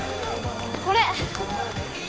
これ。